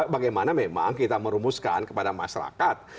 bagaimana memang kita merumuskan kepada masyarakat